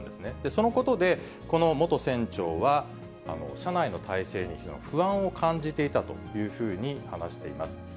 そのことで、この元船長は、社内の体制には不安を感じていたというふうに話していました。